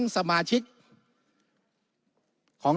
วุฒิสภาจะเขียนไว้ในข้อที่๓๐